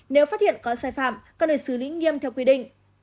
nếu phát hiện có sai phạm có nơi xử lý nghiêm theo quy định